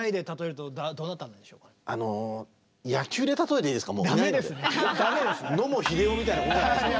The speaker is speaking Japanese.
あの野茂英雄みたいなことじゃないですか。